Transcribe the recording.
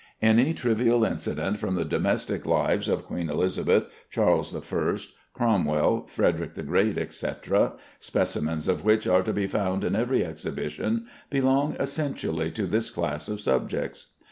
Any trivial incident from the domestic lives of Queen Elizabeth, Charles I, Cromwell, Frederick the Great, etc. (specimens of which are to be found in every exhibition), belong essentially to this class of subjects.